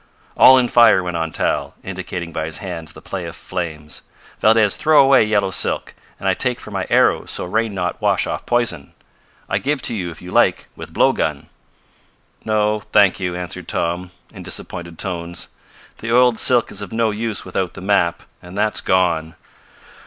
"All in fire," went on Tal, indicating by his hands the play of flames. "Valdez throw away yellow silk, and I take for my arrows so rain not wash off poison. I give to you, if you like, with blow gun." "No, thank you," answered Tom, in disappointed tones. "The oiled silk is of no use without the map, and that's gone.